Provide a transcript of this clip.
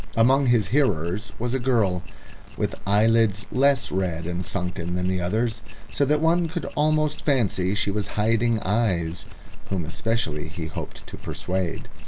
Among his hearers was a girl, with eyelids less red and sunken than the others, so that one could almost fancy she was hiding eyes, whom especially he hoped to persuade.